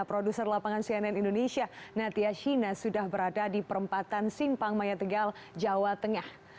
produser lapangan cnn indonesia natia shina sudah berada di perempatan simpang maya tegal jawa tengah